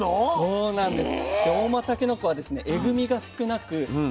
そうなんです。